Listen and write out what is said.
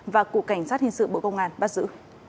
và cục cảnh sát hình sự bộ công an bắt giữ